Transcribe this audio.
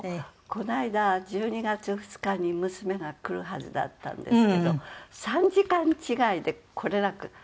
この間１２月２日に娘が来るはずだったんですけど３時間違いで来れなく。